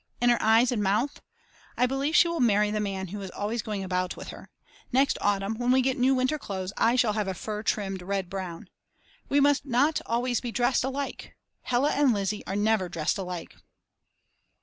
And her eyes and mouth. I believe she will marry the man who is always going about with her. Next autumn, when we get new winter clothes, I shall have a fur trimmed red brown. We must not always be dressed alike. Hella and Lizzi are never dressed alike.